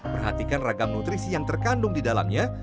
perhatikan ragam nutrisi yang terkandung di dalamnya